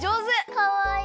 かわいい。